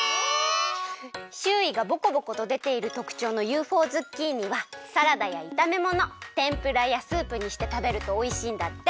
しゅういがぼこぼことでているとくちょうのＵＦＯズッキーニはサラダやいためものてんぷらやスープにしてたべるとおいしいんだって！